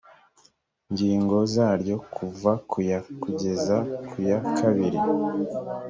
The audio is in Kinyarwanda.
ngingo zaryo kuva ku ya kugeza ku ya kabiri